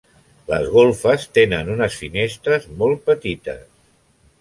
Les golfes tenen unes finestres molt petites.